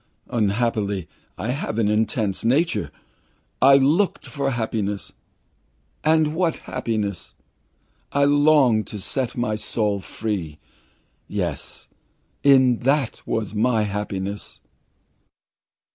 Unhappily I have an intense nature. I looked for happiness and what happiness! I longed to set my soul free. Yes. In that I saw my happiness!"